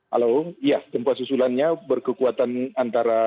halo ya gempa susulannya berkekuatan antara